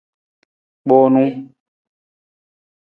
Kpoonu.